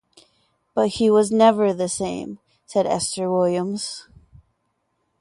"But he was never the same," said Esther Williams.